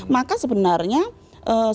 maka sebenarnya sesuai dengan norma